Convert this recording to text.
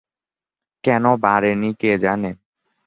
কেন বাড়ে নি কে জানে?